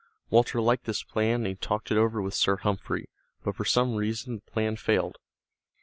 Walter liked this plan and he talked it over with Sir Humphrey, but for some reason the plan failed.